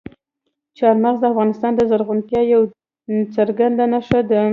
چار مغز د افغانستان د زرغونتیا یوه څرګنده نښه ده.